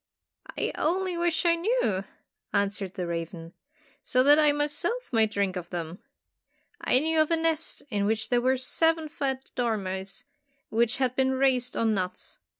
"I only wish I knew!" answered the raven, "so that I myself might drink of them. I knew of a nest in which were seven fat dormice, which had been raised on nuts.